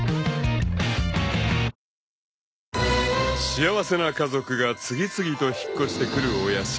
［幸せな家族が次々と引っ越してくるお屋敷］